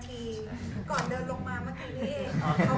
พี่กอลเดินลงมาเมื่อกี้เอง